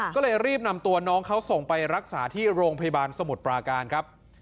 ก็เลยรีบนำตัวน้องเขาส่งไปรักษาที่โรงพยาบาลสมุทรปราการครับ